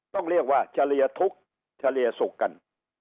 ต้องเรียกว่าเฉลี่ยทุกข์เฉลี่ยสุขกัน